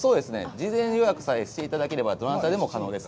事前予約さえしていただければ、どなたでも可能です。